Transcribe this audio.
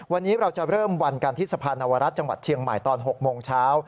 วันนี้เราจะเริ่มวันกันที่สะพานนวรัฐจังหวัดเชียงใหม่ตอน๖โมงเช้า